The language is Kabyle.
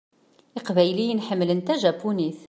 Iqbayliyen ḥemmlen tajapunit.